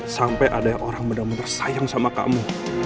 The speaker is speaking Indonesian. sampai ada orang benar benar sayang sama kamu